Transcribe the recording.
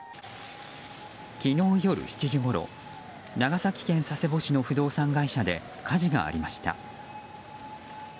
昨日夜７時ごろ長崎県佐世保市の不動産会社で火事がありました。